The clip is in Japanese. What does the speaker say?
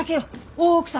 大奥様。